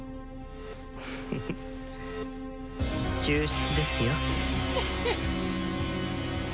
救出ですよ。